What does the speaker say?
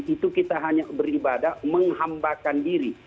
itu kita hanya beribadah menghambakan diri